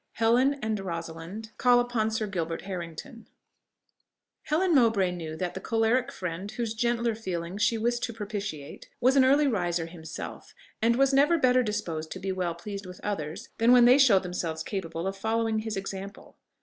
HELEN AND ROSALIND CALL UPON SIR GILBERT HARRINGTON Helen Mowbray knew that the choleric friend whose gentler feelings she wished to propitiate was an early riser himself, and was never better disposed to be well pleased with others than when they showed themselves capable of following his example.